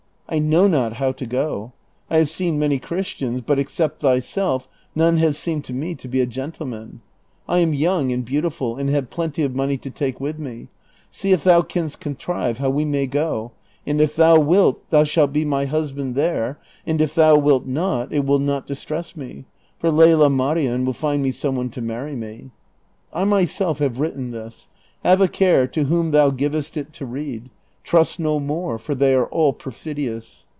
I know not how to go. I have seen many Christians, but except thyself none has seemed to me to be a gentleman. I am young and beautiful, and have plenty of money to take with me. See if thou canst contrive how we may go, and if thou wilt thou shalt be my huslxind tliere, and if thou wilt not it will not distress me, for Lela ISlarien will find me some one to marry me. I myself have written this : have a care to whom thou givest it to read : trust no Moor, for they are all perfidious.